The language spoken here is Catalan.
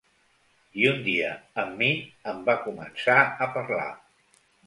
I un dia amb mi em va començar a parlar.